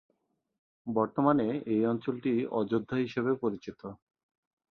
বর্তমানে এই অঞ্চলটি অযোধ্যা হিসেবে পরিচিত।